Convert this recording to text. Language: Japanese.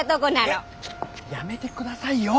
えっやめてくださいよ。